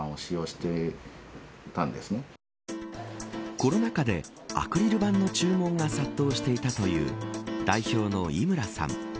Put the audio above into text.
コロナ禍でアクリル板の注文が殺到していたという代表の井村さん。